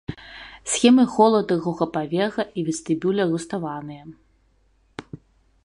Сцены хола другога паверха і вестыбюля руставаныя.